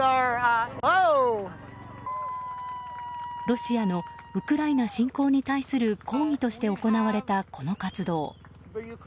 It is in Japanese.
ロシアのウクライナ侵攻に対する抗議として行われたこの活動。